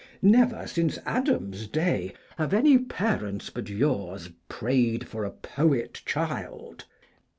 Never, since Adam's day, have any parents but yours prayed for a poet child.